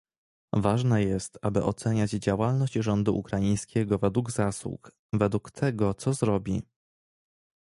Ważne jest, aby oceniać działalność rządu ukraińskiego według zasług, według tego, co zrobi